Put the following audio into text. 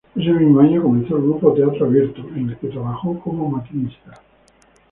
Ese mismo año comenzó el grupo Teatro Abierto, en el que trabajó como maquinista.